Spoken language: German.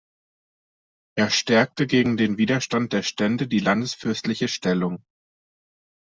Er stärkte gegen den Widerstand der Stände die landesfürstliche Stellung.